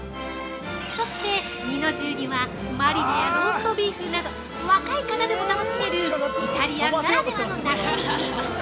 そして、弐の重にはマリネやローストビーフなど若い方でも楽しめるイタリアンならではの中身に。